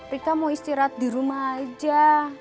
rika mau istirahat di rumah aja